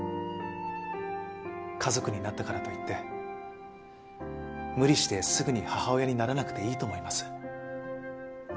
家族になったからといって無理してすぐに母親にならなくていいと思います。